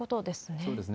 そうですね。